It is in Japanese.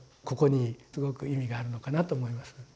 ここにすごく意味があるのかなと思います。